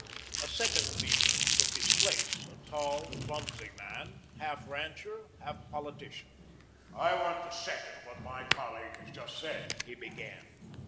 A second Leaguer took his place, a tall, clumsy man, half rancher, half politician. "I want to second what my colleague has just said," he began.